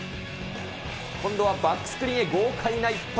今度はバックスクリーンへ豪快な一発。